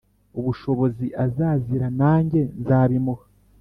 ubushobozi azazira nanjye nzabimuha